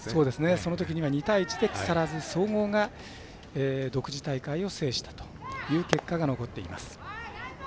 そのときには２対１で木更津総合が独自大会を制したという結果が残っています。